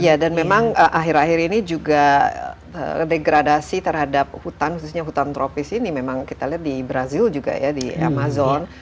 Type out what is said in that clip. iya dan memang akhir akhir ini juga degradasi terhadap hutan khususnya hutan tropis ini memang kita lihat di brazil juga ya di amazon